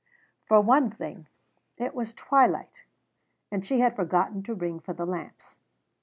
For one thing, it was twilight, and she had forgotten to ring for the lamps.